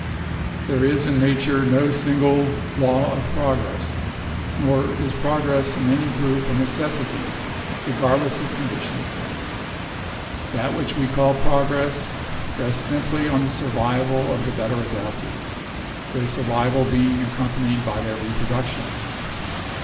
"There is in Nature no single 'law of progress/ nor is progress in any group a necessity regardless of conditions. That which we call progress rests simply on the survival of the better adapted, their survival being accompanied by their reproduction.